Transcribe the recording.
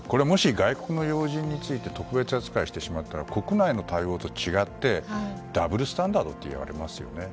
外国の要人に対して特別扱いしてしまったら国内の対応と違ってダブルスタンダードと言われますよね。